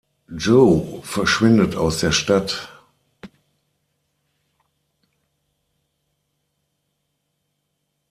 Joe verschwindet aus der Stadt.